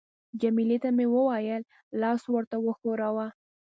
جميله ته مې وویل: لاس ورته وښوروه.